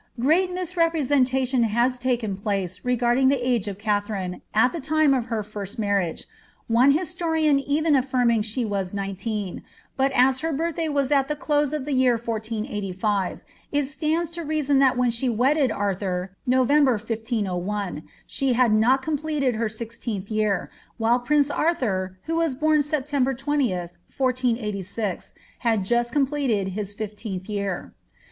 Great misrepresentation has taken place regarding the age of Katha rine, at the time of her first marriage j one historian ' even affirming she was nineteen; but as her birthday was at the close of the year 1485,* it stands to reason that when she wedded Arthur, November 1501, she had not completed her sixteenth year, while prince Arthur, who was bom Sep tember 20, 1486, had just completed his fifteenth year.